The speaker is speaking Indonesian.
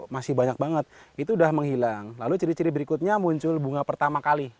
masih banyak banget itu udah menghilang lalu ciri ciri berikutnya muncul bunga pertama kali